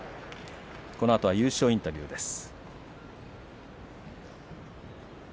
このあと優勝インタビューです。